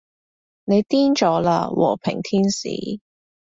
你癲咗喇，和平天使